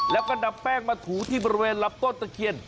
แล้วก็ดับแป้งมาถูที่บริเวณลำต้นตะเคียน